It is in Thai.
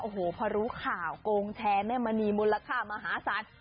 โอ้โหพอรู้ข่าวโกงแชร์แม่มณีมูลค่ามหาศาล